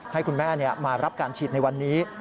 ให้คุณแม่มารับการฉีดในวันนี้